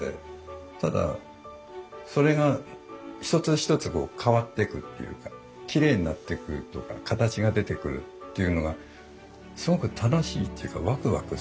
ただそれが一つ一つ変わってくっていうかきれいになってくとか形が出てくるっていうのがすごく楽しいっていうかワクワクするというか。